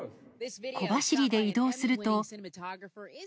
小走りで移動すると。